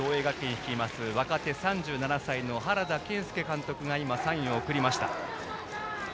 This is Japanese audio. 率います若手３７歳の原田健輔監督がサインを送りました。